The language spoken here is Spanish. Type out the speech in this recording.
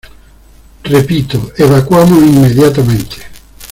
¡ repito, evacuamos inmediatamente!